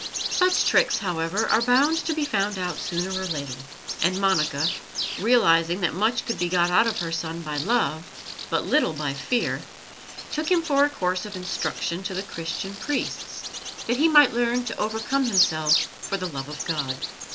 Such tricks, however, are bound to be found out sooner or later, and Monica, realizing that much could be got out of her son by love, but little by fear, took him for a course of instruction to the Christian priests, that he might learn to overcome himself for the love of God.